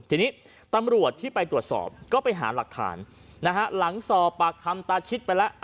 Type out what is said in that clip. ทีนี้ตำรวจที่ไปตรวจสอบก็ไปหาหลักฐานนะฮะหลังสอบปากคำตาชิดไปแล้ว